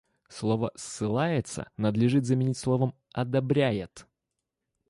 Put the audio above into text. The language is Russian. Слово «ссылается» надлежит заменить словом «одобряет».